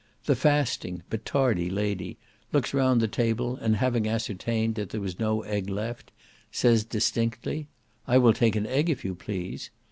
The fasting, but tardy lady, looks round the table, and having ascertained that there was no egg left, says distinctly, "I will take an egg if you please."